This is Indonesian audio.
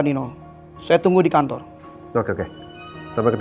dia juga bekerja sama ibu